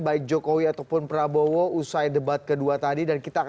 baik jokowi ataupun prabowo usai debat kedua tadi